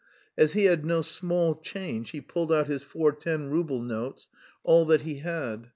As he had no small change he pulled out his four ten rouble notes all that he had.